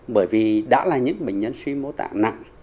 bởi vì đã là những bệnh nhân suy mô tạng nặng